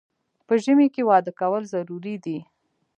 په ژمي کې واده کول ضروري دي